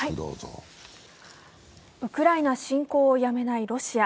ウクライナ侵攻をやめないロシア。